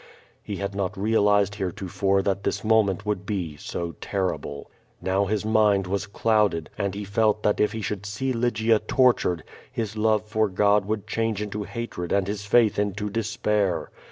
He had not realized heretofore that this moment would be so terrible. Now his mind was clouded, and he felt that if he should see Lygia tortured, his love for God would change into hatred and his faith into despair.